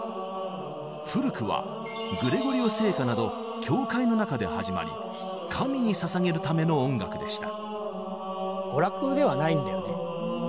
古くはグレゴリオ聖歌など教会の中で始まり神に捧げるための音楽でした。